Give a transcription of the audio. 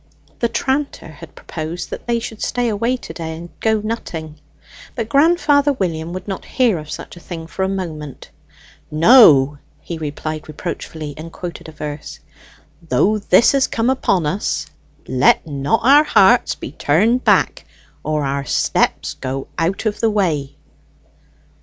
The tranter had proposed that they should stay away to day and go nutting, but grandfather William would not hear of such a thing for a moment. "No," he replied reproachfully, and quoted a verse: "Though this has come upon us, let not our hearts be turned back, or our steps go out of the way."